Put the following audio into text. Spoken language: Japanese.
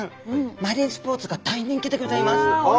マリンスポーツが大人気でギョざいます。